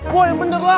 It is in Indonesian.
boy yang bener lah